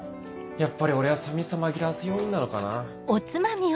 やっぱり俺は寂しさ紛らわす要員なのかな。